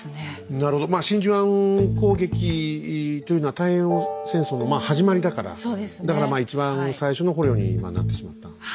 なるほど真珠湾攻撃というのは太平洋戦争の始まりだからだからまあ一番最初の捕虜になってしまったんですね。